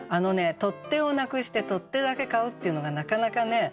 「取っ手をなくして取っ手だけ買う」っていうのがなかなかね